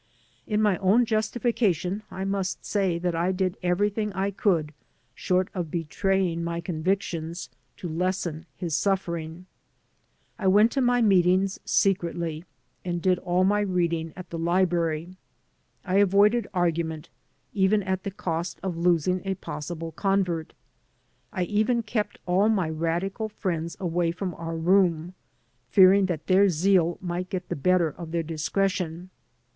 In my own justification I must say that I did every thing I could, short of betraying my convictions, to lessen his suffering. I went to my meetings secretly and did all my reading at the library. I avoided argu ment, even at the cost of losing a possible convert. I even kept all my radical friends away from our room, fearing that their zeal might get the better of their discretion.